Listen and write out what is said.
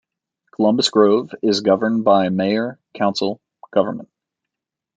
Columbus Grove is governed by a mayor-council government.